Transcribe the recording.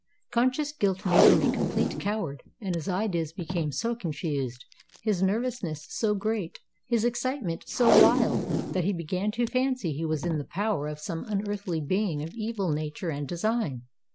Conscious guilt made him a complete coward; and his ideas became so confused—his nervousness so great—his excitement so wild, that he began to fancy he was in the power of some unearthly being of evil nature and design.